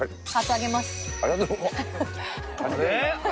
ありがとうあっ。